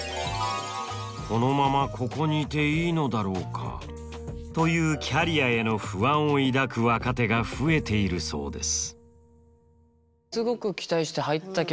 このままここにいていいのだろうかというキャリアへの不安を抱く若手が増えているそうです。